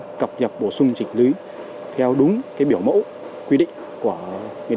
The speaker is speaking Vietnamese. cơ sở đã cập nhập bổ sung chỉnh lý theo đúng biểu mẫu quy định một trăm ba mươi sáu